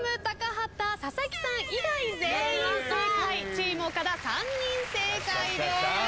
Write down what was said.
チーム岡田３人正解です。